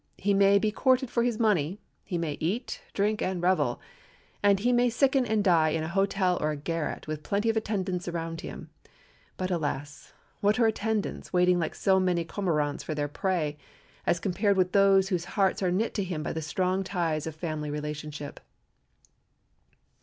He may be courted for his money; he may eat, drink, and revel; and he may sicken and die in a hotel or a garret, with plenty of attendants about him. But, alas! what are attendants, waiting like so many cormorants for their prey, as compared with those whose hearts are knit to him by the strong ties of family relationship.